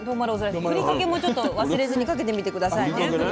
ふりかけもちょっと忘れずにかけてみて下さいね。